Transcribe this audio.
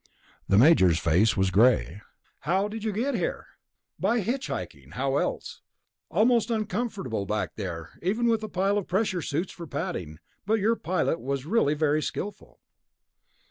The Major's face was gray. "How did you get here?" "By hitch hiking. How else? Most uncomfortable, back there, even with a pile of pressure suits for padding, but your pilot was really very skillful."